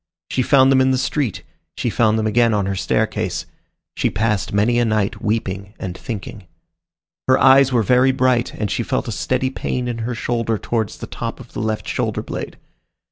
She found them in the street, she found them again on her staircase. She passed many a night weeping and thinking. Her eyes were very bright, and she felt a steady pain in her shoulder towards the top of the left shoulder blade.